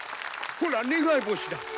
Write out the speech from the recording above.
ほら、願い星だ。